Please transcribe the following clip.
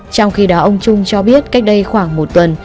trong khi đó ông trung cho biết cách đây khoảng một tuần